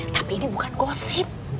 tapi ini bukan gosip